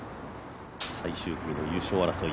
最終組の優勝争い